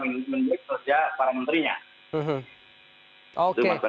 mengerjakan para menterinya